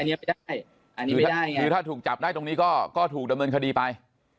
อันนี้ไม่ได้อันนี้ไม่ได้หรือถ้าถูกจับได้ตรงนี้ก็ถูกดำเนินคดีไป